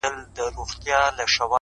• زلمي بېریږي له محتسبه ,